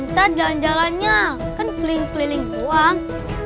ntar jalan jalannya kan keliling keliling uang